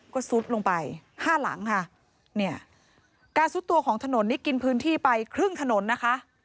ก็ซุดลงไปห้าหลังค่ะเนี่ยการซุดตัวของถนนนี่กินพื้นที่ไปครึ่งถนนนะคะ